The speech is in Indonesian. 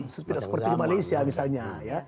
seperti di malaysia misalnya ya